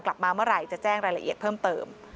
กลับมาเมื่อไหร่จะแจ้งรายละเอียดเพิ่มเติม